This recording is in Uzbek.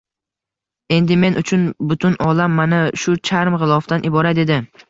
Endi men uchun butun olam mana shu charm g`ilofdan iborat edi